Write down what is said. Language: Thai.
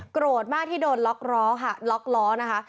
โกรธมากที่โดนล็อกล้อค่ะล็อกล้อนะคะ